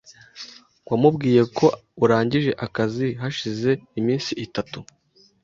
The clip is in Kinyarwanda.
Wamubwiye ko urangije akazi hashize iminsi itatu .